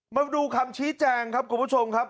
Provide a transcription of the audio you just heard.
มาดูคำชี้แจงครับคุณผู้ชมครับ